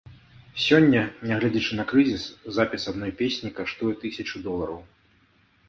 Сёння, нягледзячы на крызіс, запіс адной песні каштуе тысячу долараў.